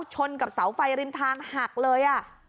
ชนกับเสาไฟริมทางหักเลย